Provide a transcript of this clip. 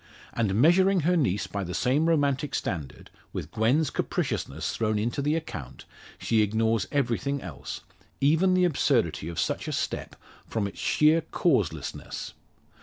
And measuring her niece by the same romantic standard with Gwen's capriciousness thrown into the account she ignores everything else; even the absurdity of such a step from its sheer causelessness.